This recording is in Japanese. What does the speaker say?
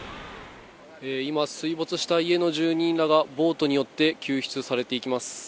今、水没した家の住人らがボートによって救出されていきます。